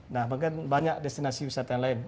nah bahkan banyak destinasi wisata lain